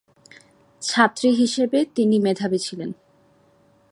ছাত্রী হিসাবে তিনি মেধাবী ছিলেন।